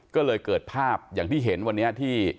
ก็เลยเกิดภาพอย่างที่เห็นวันนี้ที่